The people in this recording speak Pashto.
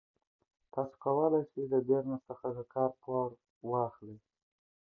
تاسو کولای شئ له بانک څخه د کار لپاره پور واخلئ.